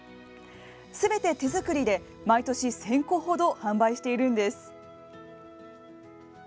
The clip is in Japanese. すべて手作りで毎年１０００個ほど販売しているんです。